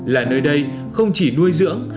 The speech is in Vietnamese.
là nơi đây không chỉ nuôi dưỡng